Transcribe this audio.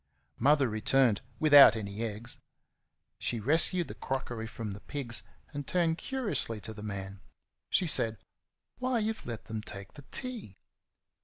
Mother returned without any eggs. She rescued the crockery from the pigs and turned curiously to the man. She said, "Why, you've let them take the tea!"